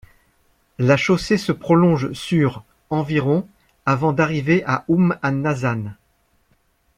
La chaussée se prolonge sur environ avant d'arriver à Umm an Nasan.